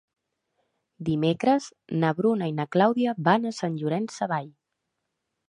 Dimecres na Bruna i na Clàudia van a Sant Llorenç Savall.